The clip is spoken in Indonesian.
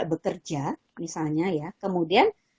bekerja misalnya ya kemudian